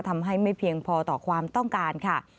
ทำให้ไม่เพียงพอต่อความต้องการค่ะ